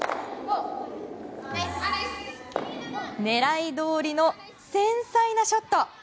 狙いどおりの繊細なショット。